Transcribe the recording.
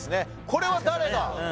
これは誰が？